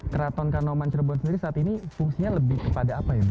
keraton kanoman cirebon sendiri saat ini fungsinya lebih kepada apa ya bu